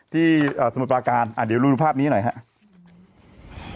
ที่สมุดประการเดี๋ยวดูภาพนี้หน่อยครับ